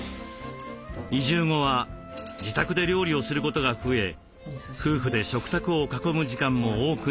移住後は自宅で料理をすることが増え夫婦で食卓を囲む時間も多くなりました。